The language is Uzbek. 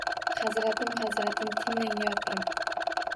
Hazratim… Hazratim… Tinglang… yo pirim.